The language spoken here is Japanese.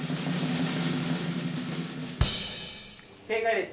正解です。